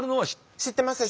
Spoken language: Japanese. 知ってます。